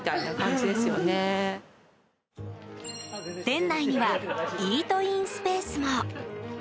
店内にはイートインスペースも。